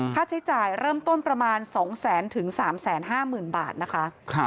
ค่าใช้จ่ายเริ่มต้นประมาณ๒๐๐๐๓๕๐๐๐บาทนะคะ